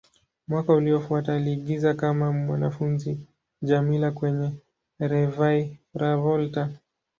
Mwaka uliofuata, aliigiza kama mwanafunzi Djamila kwenye "Reviravolta".